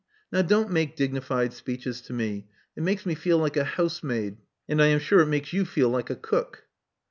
Now, don't make dignified speeches to me: it makes me feel like a housemaid; and I am sure it makes you feel like a cook."